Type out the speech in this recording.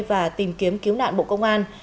và tìm kiếm cứu nạn bộ công an